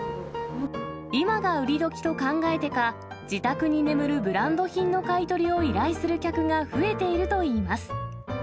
今が売り時と考えてか、自宅に眠るブランド品の買い取りを依頼する客が増えているといいます。